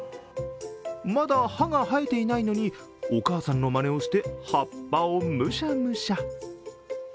まだ、歯が生えていないのにお母さんのまねをして葉っぱをむしゃむしゃ。